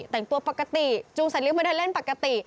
แต่งตัวปกติจุงสัตว์เลี้ยงไม่ได้เล่นปกติ